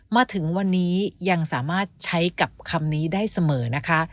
มาถึงวันนี้ยังสามารถใช้กับคำนี้ได้เสมอนะคะ